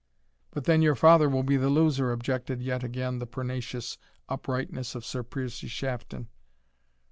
"But then your father will be the loser," objected yet again the pertinacious uprightness of Sir Piercie Shafton.